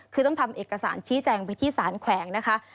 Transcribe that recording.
คือต้องทำเอกสารชี้แจงไปที่สารแขวงนะคะ